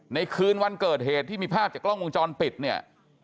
คืนวันเกิดเหตุที่มีภาพจากกล้องวงจรปิดเนี่ย